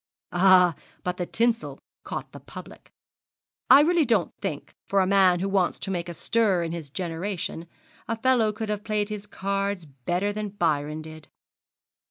'Ah, but the tinsel caught the public. I really don't think, for a man who wants to make a stir in his generation, a fellow could have played his cards better than Byron did.'